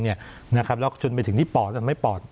แล้วจนไปถึงที่ปอดจนไม่ปอด